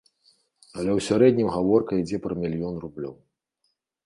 Але ў сярэднім гаворка ідзе пра мільён рублёў.